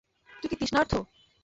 তুই কি তৃষ্ণার্ত?